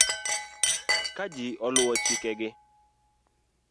Ka ji oluwo chikeg